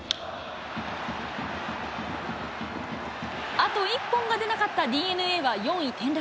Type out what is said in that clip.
あと１本が出なかったＤｅＮＡは４位転落。